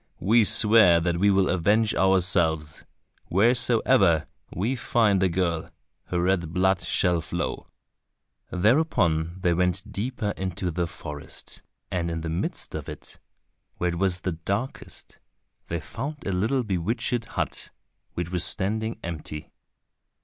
We swear that we will avenge ourselves!—wheresoever we find a girl, her red blood shall flow." Thereupon they went deeper into the forest, and in the midst of it, where it was the darkest, they found a little bewitched hut, which was standing empty.